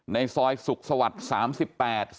ในซอยสุขสวัสดิ์๓๘